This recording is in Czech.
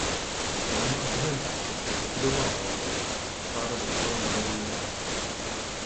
V prvním a druhém patře však vybudoval balkony a fasáda dostala moderní ráz.